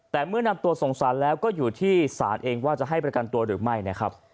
แต่เมื่อนำตัวส่งสารแล้วก็อยู่ที่ศาลเองว่าจะให้ประกันตัวหรือไม่นะครับ